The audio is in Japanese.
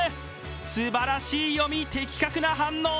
すばらしい読み、的確な反応。